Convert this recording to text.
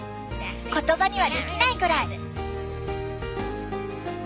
言葉にはできないぐらい。